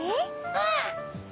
うん！